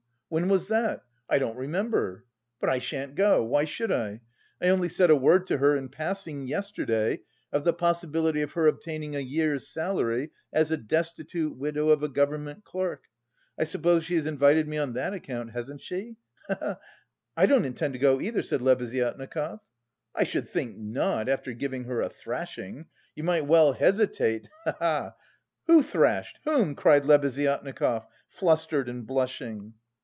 When was that? I don't remember. But I shan't go. Why should I? I only said a word to her in passing yesterday of the possibility of her obtaining a year's salary as a destitute widow of a government clerk. I suppose she has invited me on that account, hasn't she? He he he!" "I don't intend to go either," said Lebeziatnikov. "I should think not, after giving her a thrashing! You might well hesitate, he he!" "Who thrashed? Whom?" cried Lebeziatnikov, flustered and blushing.